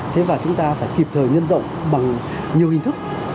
thế và chúng ta phải kịp thời nhân rộng bằng nhiều hình thức